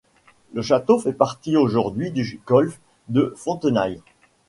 Le château fait partie aujourd'hui du golf de Fontenailles.